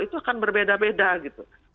itu akan berbeda beda gitu